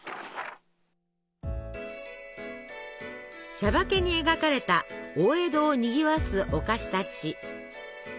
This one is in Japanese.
「しゃばけ」に描かれた大江戸をにぎわすお菓子たち。